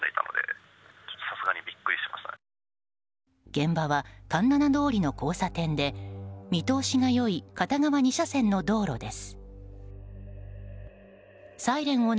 現場は環七通りの交差点で見通しがいい片側２車線の道路です。